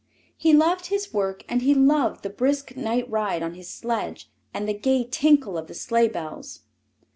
He loved his work and he loved the brisk night ride on his sledge and the gay tinkle of the sleigh bells.